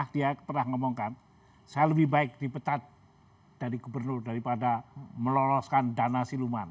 dia pernah ngomongkan saya lebih baik dipecat dari gubernur daripada meloloskan dana siluman